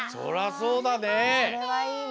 それはいいね。